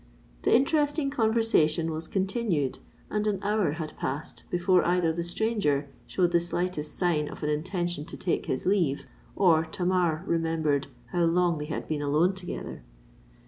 The interesting conversation was continued; and an hour had passed before either the stranger showed the slightest sign of an intention to take his leave, or Tamar remembered how long they had been alone together.